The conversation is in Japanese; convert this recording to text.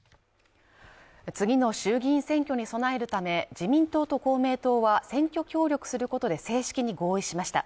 次の衆議院選挙に備えるため、自民党と公明党は選挙協力することで正式に合意しました。